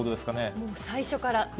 もう最初から。